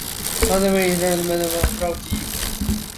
他在位期间没有册封任何枢机。